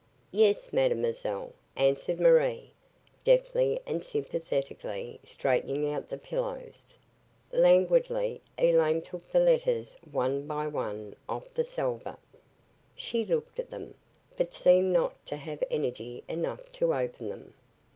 "Yes, mademoiselle," answered Marie, deftly and sympathetically straightening out the pillows. Languidly Elaine took the letters one by one off the salver. She looked at them, but seemed not to have energy enough to open them.